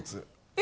え？